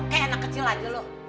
kayak anak kecil aja lu